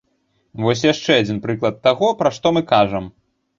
Вось яшчэ адзін прыклад таго, пра што мы кажам.